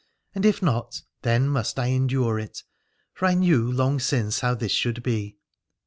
And if not, then must I endure it, for I knew long since how this should be.